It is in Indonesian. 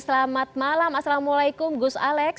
selamat malam assalamualaikum gus alex